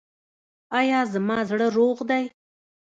ایا زما زړه روغ دی؟